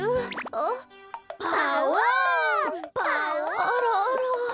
あらあら。